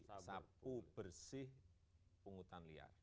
sapu bersih pungutan liar